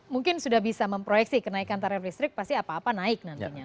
mungkin sudah bisa memproyeksi kenaikan tarif listrik pasti apa apa naik nantinya